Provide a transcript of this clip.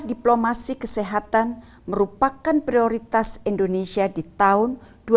diplomasi kesehatan merupakan prioritas indonesia di tahun dua ribu dua puluh